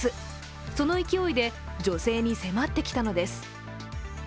その勢いで女性に迫ってきたのです。